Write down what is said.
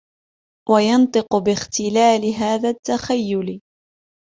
وَيَنْطِقُ بِاخْتِلَالِ هَذَا التَّخَيُّلِ